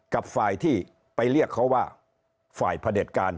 กับฝ่ายที่ไปเรียกเขาว่าฝ่ายพระเด็จการ